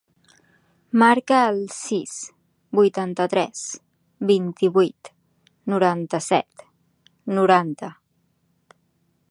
Marca el sis, vuitanta-tres, vint-i-vuit, noranta-set, noranta.